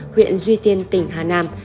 huyện duy tiên tỉnh hà nam